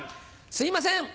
すいません！